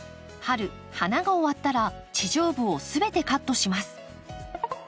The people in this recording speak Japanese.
春花が終わったら地上部を全てカットします。